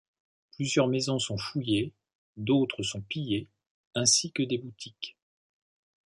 Plusieurs maisons sont fouillées, d'autres sont pillées, ainsi que des boutiques.